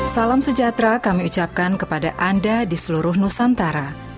salam sejahtera kami ucapkan kepada anda di seluruh nusantara